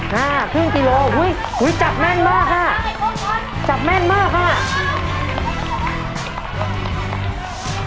ห้าครึ่งกิโลอุ้ยอุ้ยจับแม่นมากค่ะจับแม่นมากค่ะ